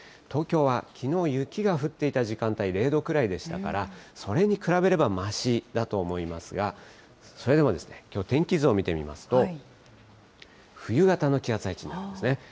東京はきのう、雪が降っていた時間帯０度くらいでしたから、それに比べればましだと思いますが、それでも天気図を見てみますと、冬型の気圧配置なんですね。